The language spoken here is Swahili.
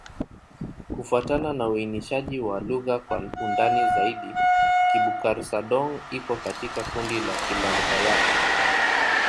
Kufuatana na uainishaji wa lugha kwa ndani zaidi, Kibukar-Sadong iko katika kundi la Kiland-Dayak.